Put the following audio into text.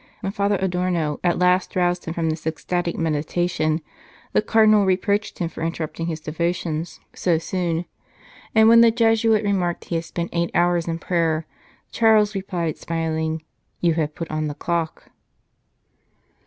When Father Adorno at last roused him from this ecstatic meditation, the Cardinal reproached him for interrupting his devotions so soon, and when the Jesuit remarked he had spent eight hours in prayer, Charles replied, smiling :" You have put on the clock."